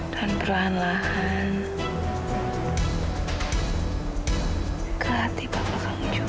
dan perlahan lahan ke hati bapak kamu juga